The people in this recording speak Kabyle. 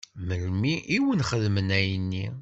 Melmi i wen-xedmen ayenni?